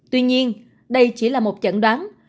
tuy nhiên đây chỉ là một chẩn đoán